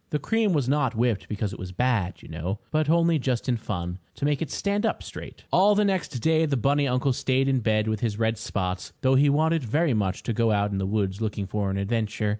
The cream was not whipped because it was bad, you know, but only just in fun, to make it stand up straight. All the next day the bunny uncle stayed in bed with his red spots, though he wanted very much to go out in the woods looking for an adventure.